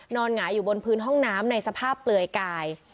หงายอยู่บนพื้นห้องน้ำในสภาพเปลือยกาย